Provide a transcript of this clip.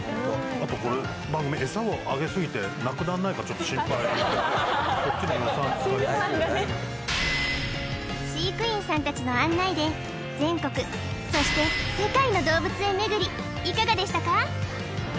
あとこれ番組エサをあげすぎてなくなんないかちょっと心配こっちの予算使いすぎて飼育員さん達の案内で全国そして世界の動物園巡りいかがでしたか？